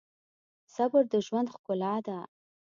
صبر د ژوند ښکلا ده.